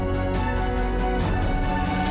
tuanku sulit bergeseran kurasa